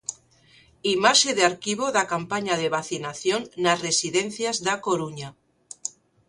Imaxe de arquivo da campaña de vacinación nas residencias da Coruña.